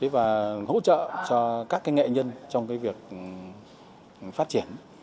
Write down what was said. và hỗ trợ cho các nghệ nhân trong việc phát triển